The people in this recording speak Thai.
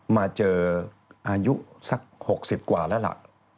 มาเจออายุสัก๖๐กว่าแล้วล่ะ